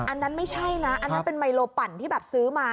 อันนั้นไม่ใช่นะอันนั้นเป็นไมโลปั่นที่แบบซื้อมา